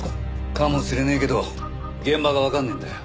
かもしれねえけど現場がわかんねえんだよ。